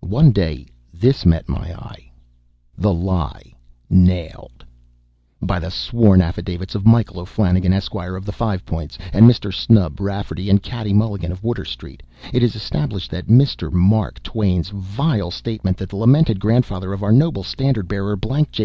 One day this met my eye: THE LIE NAILED. By the sworn affidavits of Michael O'Flanagan, Esq., of the Five Points, and Mr. Snub Rafferty and Mr. Catty Mulligan, of Water Street, it is established that Mr. Mark Twain's vile statement that the lamented grandfather of our noble standard bearer, Blank J.